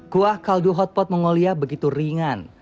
kuah kaldu hotpot mongolia begitu ringan